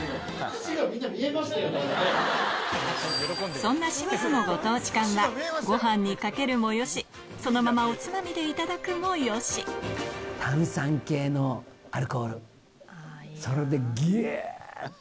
そんな清水のご当地缶はご飯にかけるもよしそのままおつまみでいただくもよしそれでギュって。